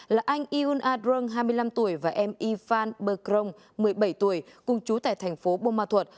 là anh iun a drong hai mươi năm tuổi và em yifan berkong một mươi bảy tuổi cùng chú tại thành phố bông ma thuột